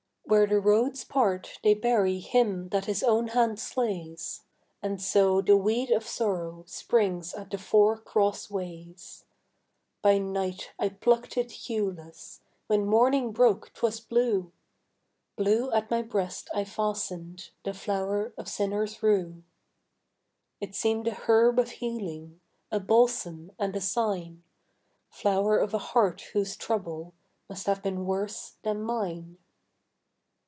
Where the roads part they bury Him that his own hand slays, And so the weed of sorrow Springs at the four cross ways. By night I plucked it hueless, When morning broke 'twas blue: Blue at my breast I fastened The flower of sinner's rue. It seemed a herb of healing, A balsam and a sign, Flower of a heart whose trouble Must have been worse than mine.